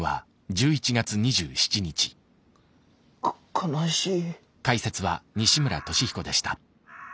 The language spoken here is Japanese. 悲しい。